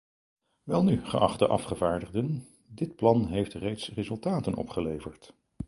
Welnu, geachte afgevaardigden, dit plan heeft reeds resultaten opgeleverd.